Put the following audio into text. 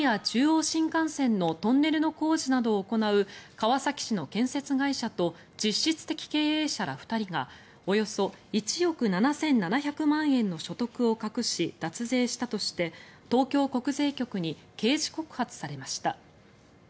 中央新幹線のトンネルの工事などを行う川崎市の建設会社と実質的経営者ら２人がおよそ１億７７００万円の所得を隠し、脱税したとして東京国税局に刑事告発されました。